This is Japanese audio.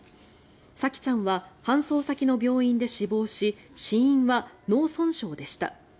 沙季ちゃんは搬送先の病院で死亡し死因は脳損傷でした。